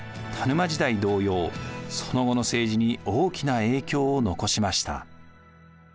田沼時代同様その後の政治に大きな影響を残しました。